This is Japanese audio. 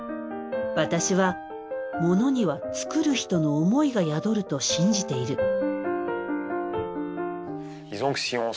私はモノには作るヒトの「思い」が宿ると信じている。